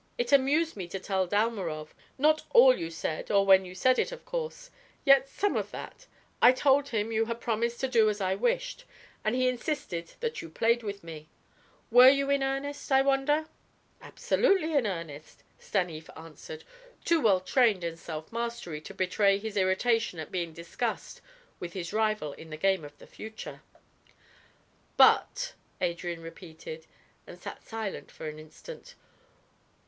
It amused me to tell Dalmorov not all you said or when you said it, of course yet some of that. I told him you had promised to do as I wished, and he insisted that you played with me. Were you in earnest, I wonder?" "Absolutely in earnest," Stanief answered, too well trained in self mastery to betray his irritation at being discussed with his rival in the game of the future. "'But' " Adrian repeated, and sat silent for an instant.